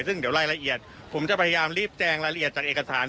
ซึ่งเดี๋ยวรายละเอียดผมจะพยายามรีบแจงรายละเอียดจากเอกสาร